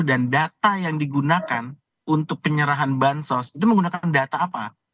dan data yang digunakan untuk penyerahan bansos itu menggunakan data apa